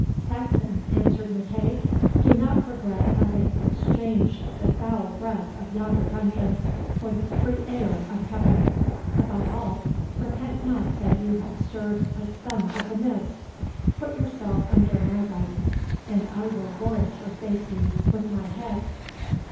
"Saxon," answered MacEagh, "do not regret having exchanged the foul breath of yonder dungeon for the free air of heaven. Above all, repent not that you have served a Son of the Mist. Put yourself under my guidance, and I will warrant your safety with my head."